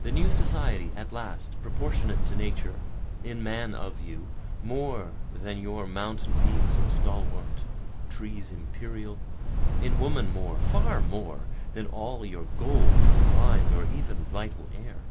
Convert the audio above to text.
The new society at last, proportionate to Nature, In man of you, more than your mountain peaks or stalwart trees imperial, In woman more, far more, than all your gold or vines, or even vital air.